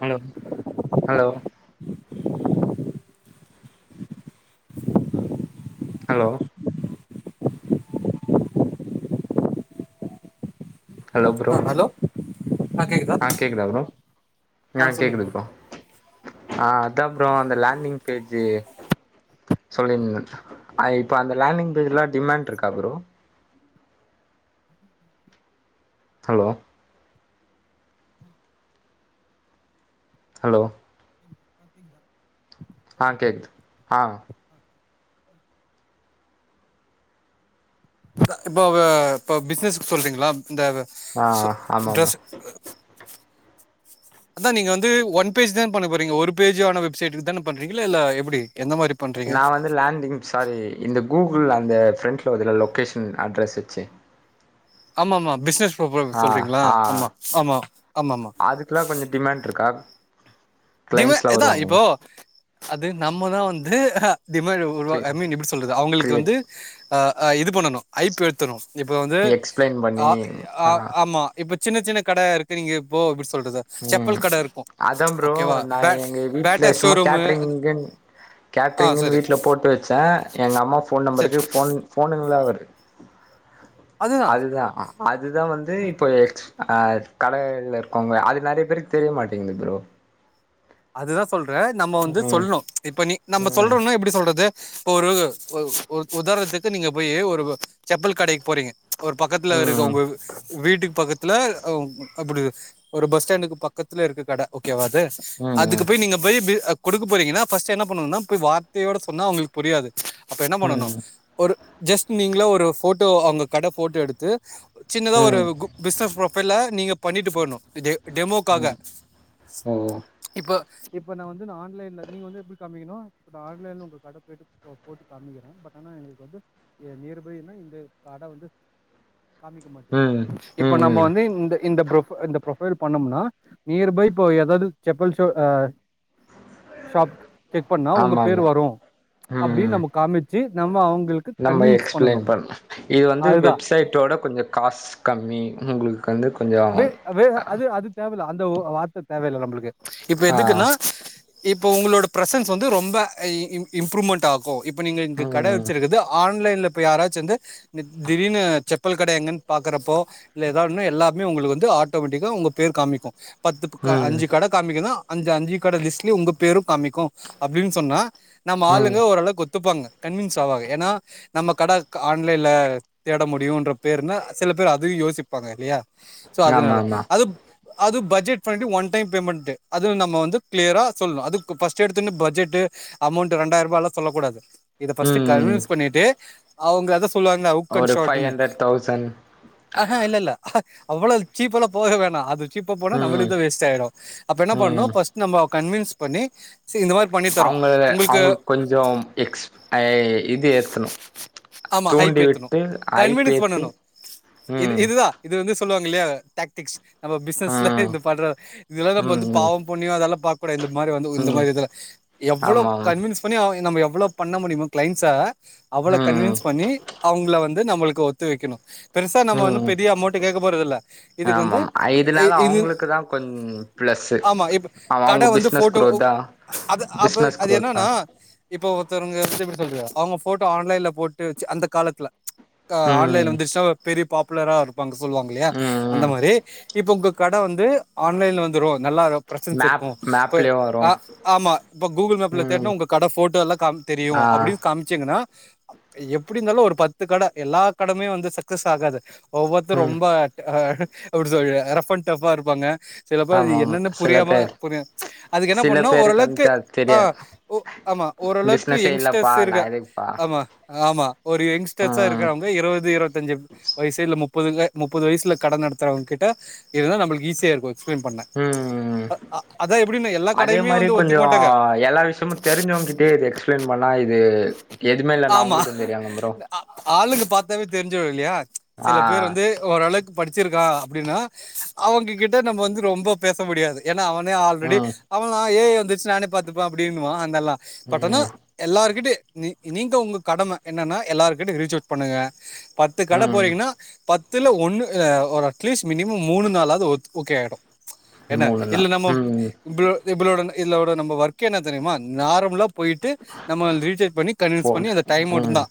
Hello hello hello hello bro ஆ hello ஆ கேக்குதா ப்ரோ ஆ கேக்குது ப்ரோ ஆ அதா ப்ரோ அந்த லேண்டிங் பேஜு சொல்லிருந்தங் ஐ இப்ப அந்த லேண்டிங் பேஜெல்லா டிமேண்ட் இருக்கா ப்ரோ ஹலோ ஹலோ ஆ கேக்து ஆ த இப்போ இப்ப பிசினஸ்க்கு சொல்றீங்ளா இந்த ஆ சொ ஆமா ஆமா டிரஸ் அதா நீங்க வந்து ஒன் பேஜ் தன பண்ண போறீங்க ஒரு பேஜான வெப்சைட்டு தான பண்றீங்க இல்ல இல்ல எப்டி எந்த மாரி பண்றீங்க நா வந்து லேண்டிங் சாரி இந்த கூகுள் அந்த ஃப்ரண்ட்ல வருதுல லொக்கேஷன் அட்ரஸ் வெச்சு ஆமா ஆமா பிசினஸ் ப்ராப்ளம் ஆ சொல்றீங்களா ஆமா ஆமா ஆமாமா லா கொஞ்சோ டிமாண்ட் ருக்கா டிம இதா இப்போ அது நம்மதா வந்து அஹ டிமண்ட உருவா கிரி ஐ மீன் எப்டி சொல்றது அவுங்களுக்கு கிரியேட் வந்து அ அ இது பண்ணணு ஐப்பு ஏத்தணு இப்ப வந்து எக்ஸ்பிளைன் பண்ணி ஆ ஆ ஆமா இப்ப சின்ன சின்ன கட இருக்கு நீங்க இப்போ எப்டி சொல்றது செப்பல் கட இருக்கு இப்போ ஓகேவா நா பே எங்க வீட்லே பேட்டா சும்மா ஷோரூமு கேட்ரிங்குங்கு ஆ கேட்ரிங்னு சரி வீட்ல போட்டு வச்சே எங்க அம்மா ஃபோன் சரி நம்பருக்கு ஃபோன் ஃபோனுங்களா வருது அதுதா அதுதா வந்து இப்போ எக்ஸ் அ கடலே இருக்கோங்க அது நெறைய பேருக்கு தெரியமாட்டேங்குது ப்ரோ அதுதா சொல்றே நம்ம வந்து ம் சொல்ணு இப்ப நீ நம்ம ம் சொல்றோனா எப்டி சொல்றது இப்ப ஒரு ஒரு ஒரு உதாரணத்துக்கு நீங்க போய் ஒரு செப்பல் கடைக்கு போறீங்க ஒரு பக்கத்துல இருக்கு ம் உங்களுக்கு வீட்டுக்கு பக்கத்துல ஓ அப்டி ஒரு பஸ் ஸ்டாண்டுக்கு பக்கத்துல இருக்கு கட ஓகேவா அது அதுக்கு ம் போய் நீங்க போய் பி குடுக்க போறீங்கன்னா ஃபஸ்ட்டு என்ன பண்ணணுன்னா போய் வார்த்தையோட சொன்னா அவுங்களுக்கு புரியாது அப்ப என்ன பண்ணனு ம் ஒரு ஜஸ்ட் நீங்களா ஒரு ஃபோட்டோ அவுங்க கட ஃபோட்டோ எடுத்து சின்னதா ம் ஒரு ம் குப் பிசினஸ் ப்ரோஃபைல்ல நீங்க பண்ணிட்டு போணு டெ டெமோக்காக ம் இப்போ இப்ப நா வந்து ஆன்லைன்ல நீங்க வந்து எப்டி காமிக்கணு இப்ப ஆன்லைன்ல உங்க கட பேரு போ போட்டு காமிக்கிறே பட் ஆனா எங்களுக்கு வந்து நியர்பைனா இந்த காட வந்து காமிக்க மாட்டேங்குது ம் இப்ப ம் நம்ம ம் வந்து இந்த இந்த ஃபுருஃப் இந்த ப்ரொஃபைல் பண்ணோம்னா நியர்பை இப்போ எதாது செப்பல் ஷு அ ஷாப்க்கு செக் பண்ணா உங்க ஆமா பேர் ஆமா வரு அப்டின்னு ம் நம்ம காமிச்சு நம்ம அவுங் நம்ம எக்ஸ்பிளைன் பண்ணு இது வந்து அதுதா வெப்சைட்டோட கொஞ்சோ காசு கம்மி உங்களுக்கு வந்து கொஞ்சோ வே வேக அது அது தேவல இல்ல அந்த ஒரு வார்த்த தேவயில்ல நம்பளுக்கு இப்ப ஆ எதுக்குனா இப்ப உங்களோட பிரசன்ஸ் வந்து ரொம்ப இம்ப்ரூவ்மெண்ட் ஆகு இப் இப்ப நீங்க இங்க கடை ம் வச்சிருக்குது ஆன்லைன்ல இப்ப யாராச்சு வந்து நி திடீர்னு செப்பல் கடை எங்கன்னு பாக்குறப்போ இல்ல ஏதாவது ஒன்னா எல்லா மே உங்களுக்கு வந்து ஆட்டோமேட்டிக்கா உங்க பேர் காமிக்கு பத்து ப்புக்கா ம் அஞ்சு கட காமிக்குனா அஞ்சு அஞ்சு கட லிஸ்ட்ல உங்க பேரு காமிக்கு அப்டின்னு சொன்னா நம்ம ம் ஆளுங்க ஓரளவு ஒத்துப்பாங்க கன்வின்ஸ் ஆவாங்க ஏனா நம்ம கட கா ஆன்லைன்ல தேட முடியுன்ற பேருனா சில பேர் அதையு யோசிப்பாங்க இல்லையா சோ ஆமா அதனால ஆமா அதுப் அது budget friendly one time payment அத நம்ம வந்து க்ளியரா சொல்னு அதுக்கு ஃபஸ்ட்டு எடுத்த ஒடனே பட்ஜெட் டு அமௌண்ட் ரெண்டாய ரூபாயெல்லா சொல்லக்கூடாது இத ஃபஸ்ட்டு ம் கன்வின்ஸ் பண்ணிட்டு அவுங்க அத சொல்லுவாங்கள உக்கன்ட் ஒரு ஃபைவ் ஷாட்டுனு ஹண்ட்ரட் தௌசண்ட் அ ஹா இல்லல்ல அவ்வளவு சீப்பல்லா போக வேணா அது சீப்பா போனா ம் நம்மளுக்குதா வேஸ்ட் ஆயிடு அப்ப என்ன ம் பண்ணணு ஃபஸ்ட்டு நம்ம கன்வின்ஸ் பண்ணி ஸி இந்த மாரி பண்ணி தரோ உங்களுக்கு கொஞ்சே எக்ஸ் ஐ இது ஏத்தனு ஆமா ஹைப் தூண்டி ஏத்தணும் விட்டு கன்வின்ஸ் அஐப்பேத்தி பண்ணணும் இது ம் இதுதான் இது வந்து சொல்லுவாங்க இல்லையா டாக்டிக்ஸ் நம்ம பிசினஸ்ல ம் இந்த பண்றோ இதல்லா நம்ம ம் வந்து ம் பாவோம் புண்ணியோ அதெல்லா பாக்கூடா இந்த மாரி வந்து இந்த ம் மாரி இதுல எவ்ளோ ஆமா ஆமா கன்வின்ஸ் பண்ணி ஆய் நம்ம எவ்ளோ பண்ண முடியுமோ கிளைண்ஸ்ச அவ்ளோ ம் கன்வின்ஸ் பண்ணி அவங்கள வந் து நம்மளுக்கு ஒத்து வைக்கணும் பெருசா நம்ம வந்து ம் பெரிய அமௌண்ட் கேட்க போறதுல்ல இதுக்கு வந்து ஆமாம் இதனால இது அவங்களுக்கு தா கொஞ் ப்ளஸ்ஸு ஆமா இப்ப கட அவங்க வந்து பிஸ்னஸ் ஃபோட்டோ குரோத்தா அது அப்ப பிஸ்னஸ் அது குரோத்தா என்னன்னா இப்போ ஒருத்தவங்க அவங்க ஃபோட்டோ ஆன்லைன்ல போட்டு வச்சு அந்த காலத்ல ஆ ஆன்லைன்ல ம் வந்துச்சுச்சா பெரிய பாப்புலரா இருப்பாங்க சொல்லுவாங்க இல்லையா ம் அந்த ம் மாரி இப்போ உங்க கட வந்து ஆன்லைன்ல வந்துரு நல்லா பிரசன்ஸ் மேப் இருக்கும் இப்ப மேப்லயு வரு ஆ ஆமா இப்ப கூகுள் மேப்ல ம் தேடுனா உங்க கட ஃபோட்டோ எல்லா காம் தெரியு ஆ அப்டி அம்ச்சீங்கன்னா எப்டிருந்தாலும் ஒரு பத்து கட எல்லா கடமே வந்து சக்சஸ் ஆகாது ஒவ்வொர்த்த ம் ரொம்ப எப்டி சொல்ற ரஃப்ன் டப்ஃபாருப்பாங்க சில பேர் ஆமா இது ஆமா என்னென்னு சில புரியாம பேர் புரியு அதுகு என்ன சில பண்ணு பேருக்கு ஓரளவ்க்கு வந்து அது ஆ தெரியாது ஓ ஆமா ஓரளவ்க்கு யங்ஸ்ட்டர்ஸ் இரு அரிப்பா மா ஆமா ஒரு யங்ஸ்ட்டர்ஸா இருக்றவங்க இருவது இருவத்தஞ்சி வயசு ல்ல முப் ப்பதுல முப்பது வயஸ்ல கட நடத்தறவங்கிட்ட இருதா நம்ளுக்கு ஈசியாருக்கு எக்ஸ்ப்ளைன் பண்ண ம் அதா எப்டின்னு எல்லா அதே கடையுமே மாரி வந்து ஒத்துக்க கொஞ்சோ மாட்டாங்க எல்லா விஷ்யமு தெரிஞ்சவ்ங்கிட்டே இது எக்ஸ் ப்ளைன் பண்ணா இது எதுமே இல்லலா அவ்ங்ளுக்கு தெரியாம புரோ ஆ ஆளுக்கு பாத்தவே தெரிஞ்சிரு இல்லயா ஆ சில பேர் வந்து ஓரளக் படிச்சிருகா அப்டின்னா அவங்க கிட்ட நம்ம வந்து ரொம்ப பேச முடியாது ஏன்னா அவனே ஆல்ரெடி ம் அவந்தா ஏ ஐ வந்துருச் நானே பாத்துப்ப அப்டின்னுவா அந்னெல்லா பட் ஆனா ம் எல்லார்க்கிட்டி நீ நீங்க உங்க கடம என்னன்னா எல்லார்கிட்ட ரீச்அவ்ட் பண்ணுங்க பத்து கட ம் போறீங்கன்னா பத் துல ஒன்னு அ ஒரு அட்லீஸ்ட் மினிமம் மூணு நாளாவது ஒத் ஓகே ஆயிடு என்ன மூணுதா இல்ல நாம ம் [unintelligible] இதோட நம்ம ஒர்க் என்ன தெரியுமா நார்மலா போயிட்டு நம்ம [unintelligible] போ பண்ணி அந்த டைம் உம் மட்டுந்தா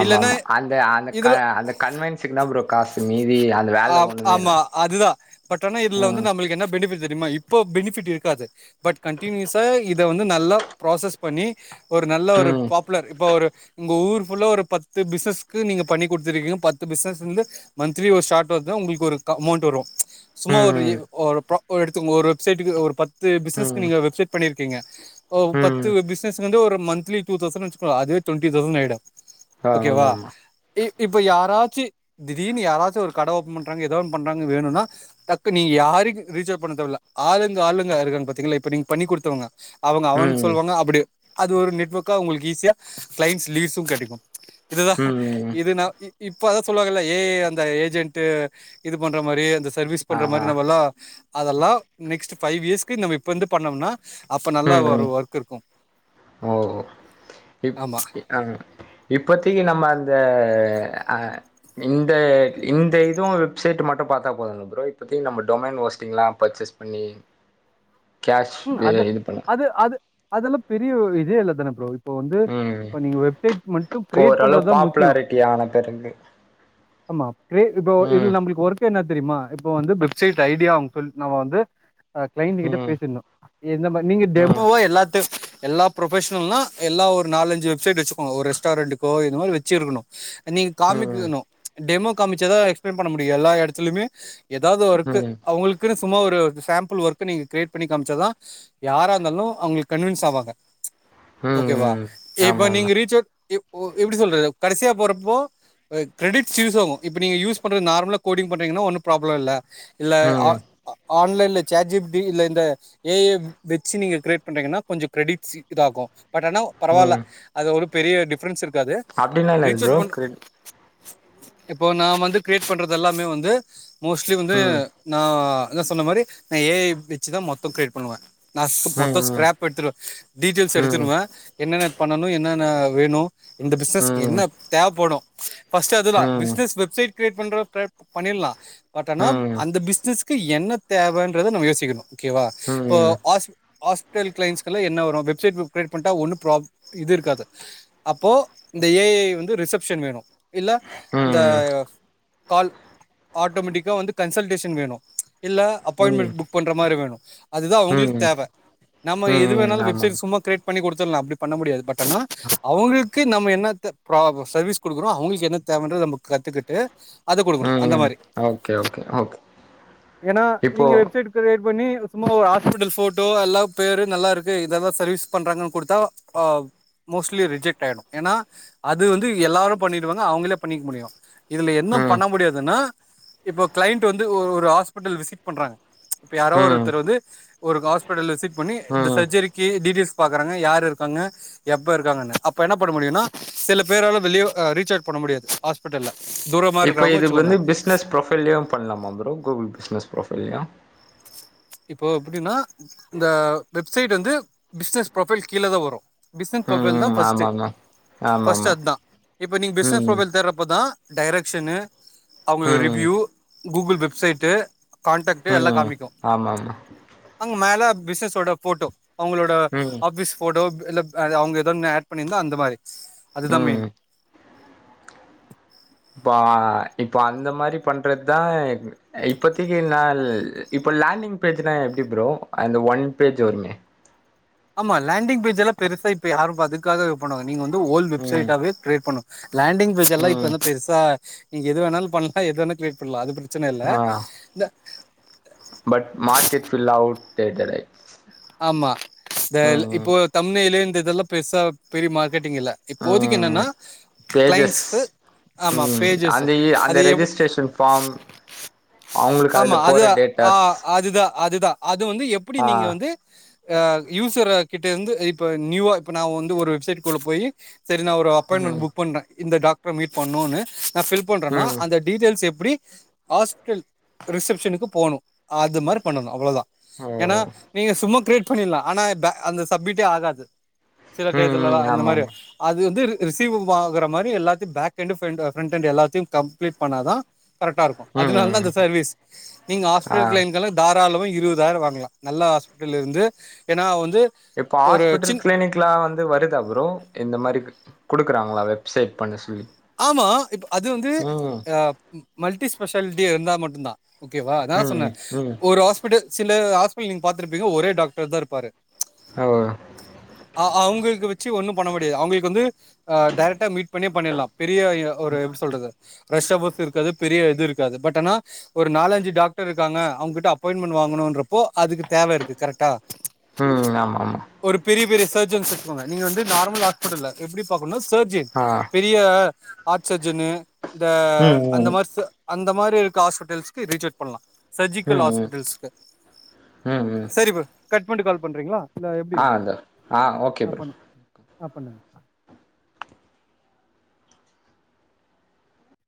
ஆமா இல்லன்னா ஆமா அந்த அந்த க இதுல அந்த கன்வென்சுக்கு தா ப்ரோ காசு மீதி அந் ஆ ஆமா அதுதான் பட் ஆனா இதுல வந்து ம் நம்மளுக்கு என்ன பெனிபிட் தெரியுமா இப்போ பெனிஃபிட் இருக்காது பட் கண்டினியூஸா இத வந்து நல்லா ப்ராசஸ் பண்ணி ஒரு நல்ல ஒரு ம் பாப்புலர் இப்ப ஒரு ங்க ஊர்குள்ள ஒரு பத்து பிசிசஸ்க்கு நீங்க பண்ணி குடுத்துருகீங்க பத்து பிஸ்சஸ்லருந்து மந்திளி ஒரு சாட் பதா உங்களுக்கு ஒரு க அமௌண்ட் வரும் சும்மா ஒரு இ ம் பா எடுத்து ஒரு வெப்சைட்டுக்கு ஒரு பத் து பிஸ்னக்கு ம் நீங்க வெப்சைட் பண்ணிருக்கீங்க ஓ ம் பத்து பிஸ்னஸ் வந்து ஒரு மன்த்லி டூதவ்சண்ட் வச்சுக்கோ அதுவே ட்டுவெண்ட்டி தவ்சன் ஆயிடு ஒக்கேவா ஆமாமா. இ இப்ப யாராச்சி திடீர்னு யாராச்சி ஒரு கட ஓபன் பண்றாங்க எதாவ் பண்றாங்க வேணுனா தக்கு நீ யாருக்கு ரீசேர் பண்ண தேவல்ல ஆளுங்க ஆளுங்க ருக்காங்க பாத்தீங்கள இப்ப நீங்க பண்ணி குடுத்தவங்க அவங்க அவனுக் ம் சொல்வாங்க அப்டி அது ஒரு நெட்வொர்க்கா ஒங்ளுக் ஈஸ்யா கிளைண்ட்ஸ் லீவ்ஸு கெடைக்கும் இதுதா ம் இது நா இ இப்ப அதா சொல்லுவாங்கல்ல ஏ ஐ அந்த ஏஜென்ட் ட்டு இது பண்ற மாரி அந்த சர்வீஸ் ஆ பண்ற ஆ மாரி நம்மல்லா அதெல்லா நெக்ஸ்ட் ஃபைவ் இயஸ்க்கு நம்ம இப்பருந்து பண்ணம்னா அப்ப நல்ல ம் ம் ஒரு ஒர்க் இருக்கும் ஓ இப் ஆமா இ அ இப்பத்திக்கு நம்ம அந்த அ இந்த இந்த இதுவு வெப்செட் மட்டு பாத்தா போதுங்கள ப்ரோ இப்பத்தி நம்ம டொமைன் வொஸ்டிங்லா பச்சேஸ் பண்ணி கேஷ் இத இது பண்லா து அது அதெல்லா பெரிய ஒரு இதே இல்ல தான ப்ரோ இப்போ வந்து ம் இப்ப நீங்க வெப்சைட் மட்டு இப்போ கிரியேட் ஓரளவு பண்றதுதா முக்யோ பாப்புலாரிட்டி ஆன பிறகு அமா கே இப்ப ம் இதுல நம்ளுக் ஒர்க் என்ன தெரியுமா இப்ப வந்து ஸேட் ஐடியா அவ்ங்க சொல்லி நம் வந்து கிளைண்ட் கிட்ட ம் பேசிணு இந்த மாரி நீங்க ம் டெமோவா எல்லா டெஸ்ட் எல்லா ப்ரொஃபஷ்னல்னா எல்லா ஒரு நாலஞ்சி வெப்சைட் வச்சிக்கணு ஒரு ரெஸ்டாரண்ட்டுக்கோ இந்த மாரி வெச்சிருக்குணு நீங்க ம் காமிக்குணு டெமோ காமிச்சதா எக்ஸ்ப்ளைன் பண்ண முடியு எல்லா எடத்லயுமே ஏதாது ம் ஒர்க்கு ம் அவுங்களுக்குனு சும்மா ஒரு சேம்ப்பள் ஒர்க்கு நீங்க க்ரியேட் பண்ணி காம்ச்சாதா யாரா இருந்தாலு அவ்ங்ளுக் கன்வென்ஸ் ஆவாங்க ம் ஓகேவா இப்ப ஆமாமா நீங்க ரீச்சர் எ ஒ எப்டி சொல்றது கடசியா போறப்போ கிரெடிட்ஸ் யூஸ் ஆகும் இப்ப நீங்க யூஸ் பண்றது நார்மலா கோடிங் பண்ணீங்கன்னா ஒன்னு ப்ராப்ளம் இல்ல இல்ல ஆ ம் ஆன்லைன்ல சேட்ஜீப்ட்டி இல்ல இந்த ஏ ஐ வெச்சு நீங்க கிரியேட் பண்றீங்கன்னா கொஞ்சம் கிரெடிட்ஸ் இதாகும் பட் ஆனா பரவால்ல ம் அது ஒரு பெரிய டிஃப்ரன்ஸ் இருக்காது அப்டின்னா என்னது ப்ரோ ரீசெட் பண் கிரெ இப்போ நான் வந்து கிரியேட் பண்றது எல்லாமே வந்து மோஸ்ட்லி வந்து ம் ம் நான் என்ன சொன்ன மாரி நான் ஏ ஐ வெச்சு தான் மொத்தம் கிரேட் பண்ணுவேன் நான் மொத்தம் ம் ஸ்கராப் எடுத்துருவேன் டீட்டெயில்ஸ் ம் எடுத்துடுவன் என்னென்ன பண்ணனும் என்னென்ன வேணும் இந்த ம் ம் பிசினஸ் என்ன ம் தேவப்படும் ஃபஸ்ட் அதுதான் ம் பிசினஸ் வெப்சைட் கிரியேட் பண்றப்ப பண்ணிலாம் பட் ஆனா அந்த பிசினஸ்க்கு என்ன தேவைன்றத நம்ம யோசிக்கணும் ஓகேவா ம் இப்ப ஆஸ் ஹாஸ்டல் கிளைண்டஸ்க்லாம் என்ன வரும் வெப்சைட் கிரியேட் பண்டா ஒன்னும் ப்ராப் இது இருக்காது அப்போ இந்த ஏ ஐ வந்து ரிசப்ஷன் வேணும் இல்ல இந்த கால் ஆட்டோமெட்டிக்கா வந்து கன்சல்டேஷன் வேணும் இல்ல ம் அப்பாயின்மென்ட் புக் பண்ற மாரி வேணும் அதுதான் உங்களுக்கு ம் தேவ நம்ம எது ம் வேணாலும் ஆமாங்க வெப்சைட் சும்மா கிரியேட் பண்ணி குடுத்தலாம் அப்டி பண்ண முடியாது பட் ஆனா அவுங்களுக்கு நம்ம என்னத்த ப்ராப் சர்வீஸ் கொடுக்கறோம் அவங்களுக்கு என்ன தேவைன்றத நம்ப கத்துக்குட்டு அது கொடுக்கணும் அந்த ம் மாரி ஓகே ஓகே ஓகே ஏன்னா இப்போ நீங்க வெப்சைட் கிரியேட் பண்ணி சும்மா ஒரு ஹாஸ்பிட்டல் போட்டோ எல்லாம் பேரும் நல்லா இருக்கு இததான் சர்வீஸ் பண்றாங்கன்னு கொடுத்தா அ மோஸ்லி ரிஜெக்ட் ஆய்டு ஏனா அது வந்து எல்லாரு பண்ணிடுவாங்க அவுங்களே பண்ணிக்க முடியு இதுல என்ன ம் பண்ண முடியாதுன்னா இப்போ கிளைண்ட் வந்து ஒரு ஒரு ஹாஸ்பிட்டல் விசிட் பண்றாங்க இப்ப யாரோ ஒரு ம் த்தவர் வந்து ஒரு ஹாஸ்பிட்டல் விசிட் பண்ணி இந்த ம் சர்ஜரிக்கி டீட்டியல்ஸ் பாக்குறாங்க யாரு இருக்காங்க எப்ப இருக்காங்கன்னு அப்ப என்ன பண்ண முடியுனா செல பேரால வெளிய ஆ ரீச்சார்ஜ் பண்ண முடியாது ஹாஸ்பிட்டல்ல தூரமா இப்போ இருக்கிறவங்க இது வச்சுக்கோங்க வந்து பிஸ்னஸ் ப்ரொஃபைல்லயு பண்லாமா ப்ரோ கூகுள் பிஸ்னஸ் ப்ரொஃபைல்லயு இப்போ எப்டினா இந்த வெப்சைட் வந்து பிஸ்னஸ் ப்ரொஃபைல் கீழ தா வரு பிஸ்னஸ் ப்ரொஃபைல் தா ம் ஃபஸ்ட்டு ஆமாமா ஃபஸ்ட்டு ஆமாமா அத்தா இப்ப நீங்க பிஸ்னஸ் ம் ப்ரொஃபைல் தேர்றப்பதா டைரக்க்ஷன்னு அவுங்க ம் ரிவ்யூ கூகுள் வெப்சைட்டு கான்ட்டக்ட்டு எல்லா காமிக்கு ஆமாம்மா அங்க மேல பிசினஸோட போட்டோ அவங்களோட ம் ஆபீஸ் போட்டோ இல்ல அவங்க ஏதோனு ஆட் பண்ணியிருந்தா அந்த மாரி அதுதான் மெயின் ம் பா இப்ப அந்த மாரி பண்றது தான் இப்பத்தைக்கு நான் இப்போ லேண்டிங் பேஜ்னா எப்டி ப்ரோ அந்த ஒன் பேஜ் வருமே ஆமா லேண்டிங் பேஜ்லா பெருசா இப்ப யாரும் அதுக்காக பண்ணுவாங்க நீங்க வந்து ஓல்ட் ம் வெப்ஸைட்டாவே கிரியேட் பண்ணும் லேண்டிங் பேஜ் எல்லாம் இப்ப ம் வந்து பெருசா நீங்க எது வேணால் பண்ணலாம் எது வேணா கிரியேட் பண்ணலாம் அது பிரச்சன இல்ல ஆ இந்த பட் மார்கெட் ஃபுல் அவுட் [unintelligible] ஆமா இந்த ம் இப்போ ம் தம்நெய்லு இந்த இதெல்லாம் பெருசா பெரிய மார்க்கெட்டிங் இல்ல இப்போதைக்கு ம் என்னன்னா பேஜஸ் கிளைண்ட்ஸு ஆமா ம் பேஜஸ் அந்த அந்த அது எ ரெஜிஸ்ட்ரேஷன் ஃபார்ம் அவங்களுக்கு ஆமா அதுல போற அதுதான் ஆ டேட்டாஸ் அதுதான் அதுதான் அது வந்து எப்படி ஆ நீங்க வந்து ஆ யூசர் கிட்ட இருந்து இப்ப நியூவா இப்ப நா வந்து ஒரு வெப்சைட்க்குள்ள போய் சரி நான் ஒரு அப்பாயண்மெண்ட் ம் புக் பண்ணன் இந்த டாக்டர மீட் பண்ணுனு நான் ஃபில் பண்றனா ம் அந்த டீட்டெயல்ஸ் எப்படி ஹாஸ்டல் ரிசப்ஷனுக்கு போணும் அது மாரி பண்ணணும் அவ்வளோதான் ஓ ஏன்னா நீங்க சும்மா கிரியேட் பண்ணிடலாம் ஆனா இப்ப அந்த சப்மிட்டே ஆகாது சில ம் ம் [unintelligible] இந்த ஆமா மாரி ஆமா அது வந்து ரிசீவ் ஆகற மாரி எல்லாத்தையும் பேகெண்டு ஃப்ரண்டு ஃப்ரண்டெண்டு எல்லாத்தையும் கம்ப்ளீட் பண்ணா தான் கரெட்டா இரு அதனால தான் ம் இந்த சர்வீஸ் நீங்க ஹாஸ்பிட் ஆ க்லைன்க்லாம் தாராளம் இருவதாயிரம் வாங்கலாம் நல்ல ஹாஸ் பிடல் இருந்து ஏன்னா வந்து இப்போ ஒரு ஹாஸ்பிட்டல் சின் கிளினிக் லா வந்து வருதா ப்ரோ இந்த மாரி கொடுக்குறாங்களா வெப்சைட் பண்ண சொல்லி ஆமா இப்ப அது வந்து ம் அ மல்டி ஸ்பெஷாலிட்டி இருந்தா மட்டும் தான் ஓகேவா நா ம் சொன்னேன் ம் ஒரு ஹாஸ்பிடல் சில ஹாஸ்பிட்டல் நீங்க பாத்துருப்பீங்க ஒரே டாக்டர் தான் இருப்பாரு ஆமா ஆ அவங்களுக்கு வச்சு ஒன்னும் பண்ண முடியாது அவங்களுக்கு வந்து அ டைரெக்ட்டா மீட் பண்ணியே பண்ணிடலாம் பெரிய யா ஒரு எப்டி சொல்றது. ரஷ்யா போஸ் இருக்காது பெரிய இது இருக்காது பட் ஆனா ஒரு நாலஞ்சு டாக்டர் இருக்காங்கன்னா அவங்ககிட்ட அப்பாயின்மெண்ட் வாங்கணும்றப்போ அதுக்கு தேவ இருக்கு கரெக்டா ம் ஆமா ஆமா ஒரு பெரிய பெரிய சர்ஜன்ஸ் இருக்கோங்க நீங்க வந்து நார்மல் ஹாஸ்பிட்டல்ல எப்டி பாக்கணும் சர்ஜியன் ஆ பெரிய ஹார்ட் சர்ஜன் இந்த ம் அந்த மாதிரி ச அந்த மாதிரி இருக்க ஹாஸ்பிட்டல்ஸ்க்கு ரீச்செக் பண்ணலாம். சர்ஜிக்கல் ம் ம் ஹாஸ்பிட்டல்ஸ் ம் ம் சரிப்ப கட் பண்ணிட்டு கால் பண்றீங்களா இல்ல எப்டி ஆ அந்த ஓகே ஆ ப்ரோ பண்ணுங்க ஆ பண்ணுங்க.